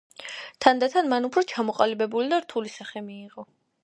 თანდათან მან უფრო ჩამოყალიბებული და რთული სახე მიიღო.